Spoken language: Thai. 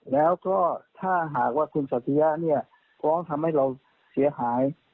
แล้วก็ถ้าหากว่าคุณสัตยะเนี่ยฟ้องทำให้เราเสียหาย